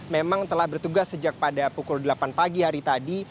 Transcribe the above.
memang telah bertugas sejak pada pukul delapan pagi hari tadi